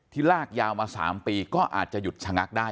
ลากยาวมา๓ปีก็อาจจะหยุดชะงักได้